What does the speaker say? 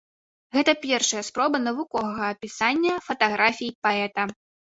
Гэта першая спроба навуковага апісання фатаграфій паэта.